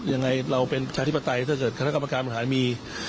ยังไงเราเป็นชาธิปไตรถ้าเกิดคำถามกรรมการบังคัยมี